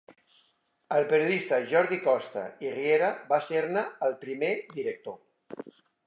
El periodista Jordi Costa i Riera va ser-ne el primer director.